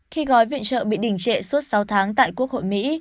khi gói viện trợ bị đỉnh trệ suốt sáu tháng tại quốc hội mỹ